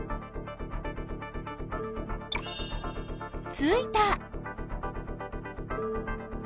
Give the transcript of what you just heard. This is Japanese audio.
ついた！